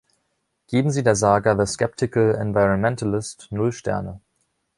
Geben Sie der Saga The Skeptical Environmentalist null Sterne